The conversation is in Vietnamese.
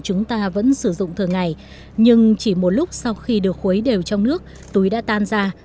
chúng ta vẫn sử dụng thường ngày nhưng chỉ một lúc sau khi được khuấy đều trong nước túi đã tan ra